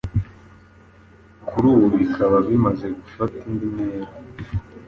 kuri ubu bikaba bimaze gufata indi ntera